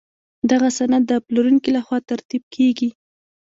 دغه سند د پلورونکي له خوا ترتیب کیږي.